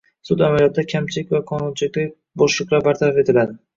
Sud amaliyotidagi kamchilik va qonunchilikdagi bo‘shliqlar bartaraf etiladi